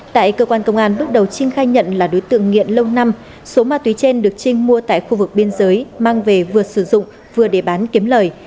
tại cơ quan công an bước đầu trinh khai nhận là đối tượng nghiện lâu năm số ma túy trên được trinh mua tại khu vực biên giới mang về vừa sử dụng vừa để bán kiếm lời